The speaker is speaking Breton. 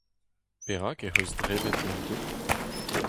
Perak ec’h eus debret ganto ?